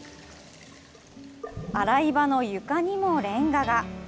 洗い場の床にもレンガが。